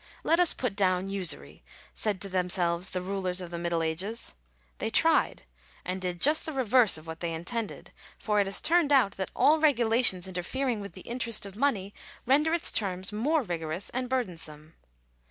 " Let us put down usury," said to themselves the rulers of the middle ages : they tried; and did just the reverse of what they intended ; for it has turned out, that " all regulations inter fering with the interest of money render its terms more rigorous and burdensome."